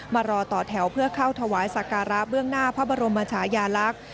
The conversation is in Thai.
มารอต่อแถวเพื่อเข้าถวายสักการะเบื้องหน้าพระบรมชายาลักษณ์